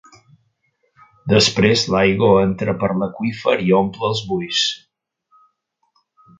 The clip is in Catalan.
Després l'aigua entra per l'aqüífer i omple els buits.